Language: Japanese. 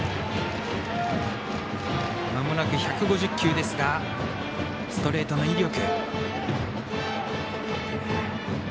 まもなく１５０球ですがストレートの威力。